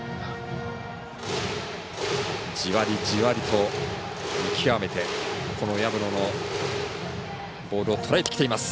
じわりじわりと見極めてこの薮野のボールをとらえてきています。